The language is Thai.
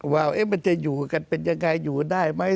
ว่ามันจะอยู่กันเป็นยังไงอยู่ได้ไหม